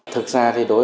thực ra thì đối với